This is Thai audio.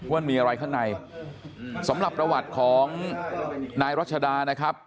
ว่ามีอะไรข้างในสำหรับประวัติของนายรัชดานะครับ